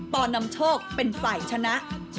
นำโชคเป็นฝ่ายชนะ